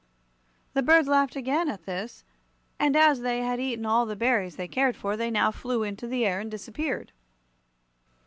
The birds laughed again, at this, and as they had eaten all the berries they cared for, they now flew into the air and disappeared.